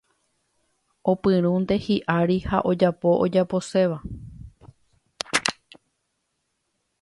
Opyrũnte hiʼári ha ojapo ojaposéva.